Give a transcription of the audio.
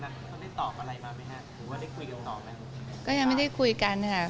ไม่ได้คุยกันค่ะก็ส่วนส่วนท่านอื่นก็คุยเรื่องอื่นต่อกันไปเรื่อยอย่างที่ปรากฏ